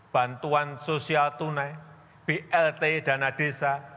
bantuan sosial tunai blt dana desa